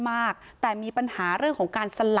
คือแตกต่างกันชัดมากแต่มีปัญหาเรื่องของการสลับศพกันเนี่ยค่ะ